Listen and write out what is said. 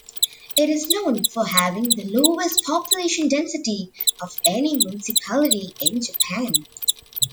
It is known for having the lowest population density of any municipality in Japan.